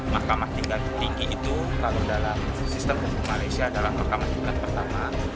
mahkamah tingkat tinggi itu kalau dalam sistem hukum malaysia adalah mahkamah tingkat pertama